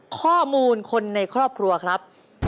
ข้อมูลคนในครอบครัวครับ